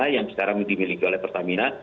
yang sekarang dimiliki oleh pertamina